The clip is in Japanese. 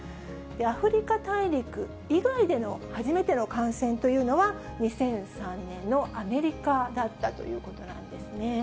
アフリカ大陸以外での初めての感染というのは、２００３年のアメリカだったということなんですね。